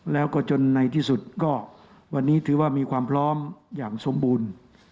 แล้วก็จนในที่สุดก็วันนี้ถือว่ามีความพร้อมอย่างสมบูรณ์